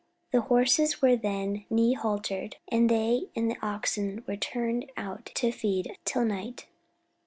The horses were then knee haltered, and they and the oxen were turned out to feed till night.